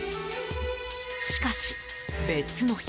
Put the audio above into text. しかし、別の日。